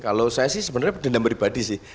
kalau saya sih sebenarnya dendam pribadi sih